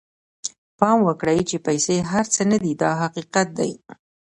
پام وکړئ چې پیسې هر څه نه دي دا حقیقت دی.